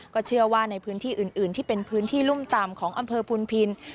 ก็เชื่อว่าในพื้นที่อื่นที่เป็นพื้นที่รุ่มต่ำของอำเภอพุนพิน